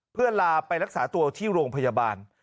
เพื่อลาไปรักษาตัวที่โรงพยาบาล